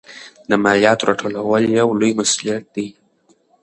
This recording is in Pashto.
د مالیاتو راټولول یو لوی مسوولیت دی.